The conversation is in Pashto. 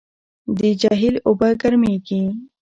د جهیل اوبه ګرمېږي.